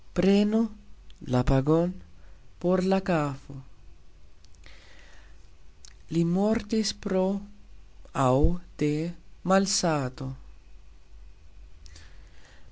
Prenu (la pagon) por la kafo. Li mortis pro (aux, de) malsato.